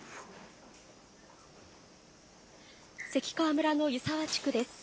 関川村の湯沢地区です。